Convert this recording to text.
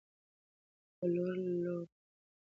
پلور لوړ و.